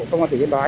công an tỉnh yên bái